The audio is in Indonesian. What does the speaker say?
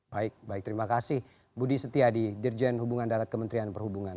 baik baik terima kasih budi setiadi dirjen hubungan darat kementerian perhubungan